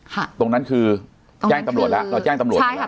ค่ะตรงนั้นคือตรงนั้นคือแจ้งตำรวจแล้วเราแจ้งตำรวจแล้วใช่ค่ะ